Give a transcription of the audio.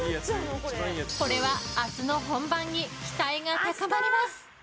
これは明日の本番に期待が高まります。